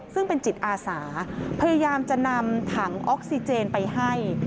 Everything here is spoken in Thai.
ซึ่งเป็นจิตอาสาพยายามจะนำถังออกซิเจนไปให้